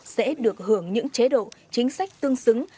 sẽ được hưởng những chế độ chính sách tương xứng